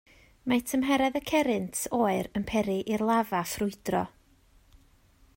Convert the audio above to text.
Mae tymheredd y cerrynt oer yn peri i'r lafa ffrwydro.